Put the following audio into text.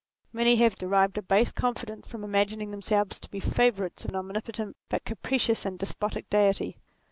Many have derived a base confidence from imagining them selves to be favourites of an omnipotent but capricious and despotic Deity.